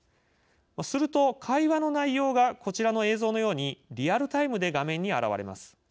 すると会話の内容がこちらの映像のようにリアルタイムで画面に現れます。